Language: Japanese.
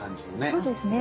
そうですね。